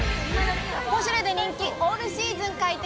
ポシュレで人気「オールシーズン快適！